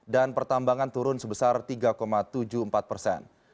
dan pertambangan turun sebesar tiga tujuh puluh empat persen